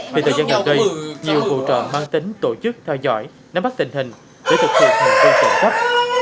từ thời gian đầu đây nhiều vụ trộm mang tính tổ chức theo dõi nắm bắt tình hình để thực hiện hành vi trộm cấp